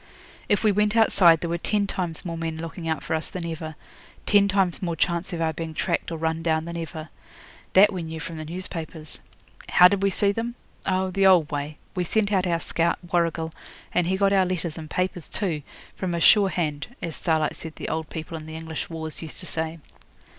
If we went outside there were ten times more men looking out for us than ever, ten times more chance of our being tracked or run down than ever. That we knew from the newspapers. How did we see them? Oh, the old way. We sent out our scout, Warrigal, and he got our letters and papers too, from a 'sure hand', as Starlight said the old people in the English wars used to say.